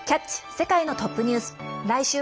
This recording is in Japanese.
世界のトップニュース」。